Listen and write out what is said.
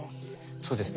そうですね